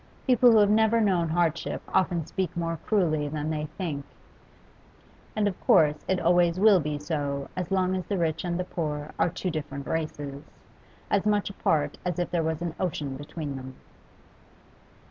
People who have never known hardship often speak more cruelly than they think, and of course it always will be so as long as the rich and the poor are two different races, as much apart as if there was an ocean between them.